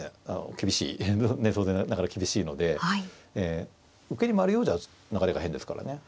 厳しい当然なかなか厳しいので受けに回るようじゃ流れが変ですからね。